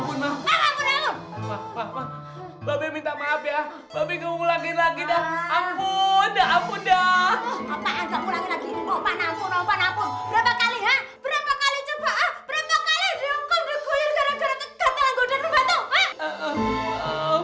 berapa kali coba ha berapa kali dihukum dihukum gara gara ganteng anggur dan rembatu